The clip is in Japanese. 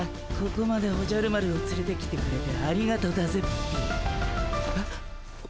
ここまでおじゃる丸をつれてきてくれてありがとだぜっピィ。え？